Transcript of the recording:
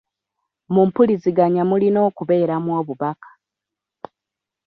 Mu mpuliziganya mulina okubeeramu obubaka.